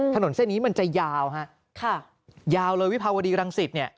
ถนนเส้นนี้มันจะยาวฮะค่ะยาวเลยวิภาวดีรังสิตเนี่ย